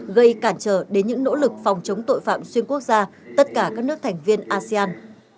gây cản trở đến những nỗ lực phòng chống tội phạm xuyên quốc gia tất cả các nước thành viên asean